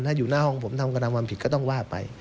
ถ้าอยู่หน้าห้องผมทำกระทำความผิดก็ต้องว่าไป